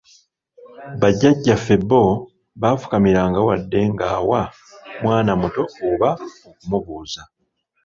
Bajjajjaffe bo baafukamiranga wadde ng'awa mwana muto oba okumubuuza.